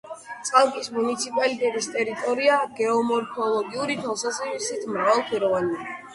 წალკის მუნიციპალიტეტის ტერიტორია გეომორფოლოგიური თვალსაზრისით მრავალფეროვანია.